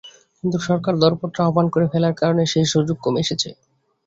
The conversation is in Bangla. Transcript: কিন্তু সরকার দরপত্র আহ্বান করে ফেলার কারণে সেই সুযোগ কমে এসেছে।